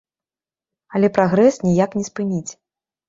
Але прагрэс ніяк не спыніць.